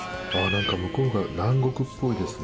何か向こうが南国っぽいですね。